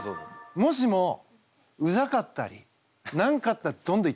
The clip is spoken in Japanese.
もしもうざかったり何かあったらどんどん言ってよ。